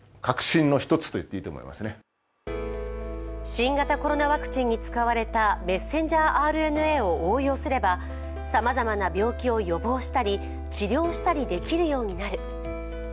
新型コロナワクチンに使われたメッセンジャーＲＮＡを応用すれば、さまざまな病気を予防したり治療したりできるようになる。